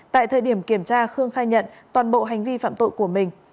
tại thời điểm kiểm tra khương khai nhận toàn bộ hành vi phạm tội của mình